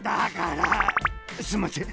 すんません。